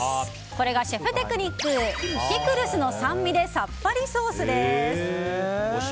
これがシェフテクニックピクルスの酸味でさっぱりソース。